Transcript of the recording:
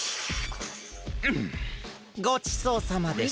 うんごちそうさまでした。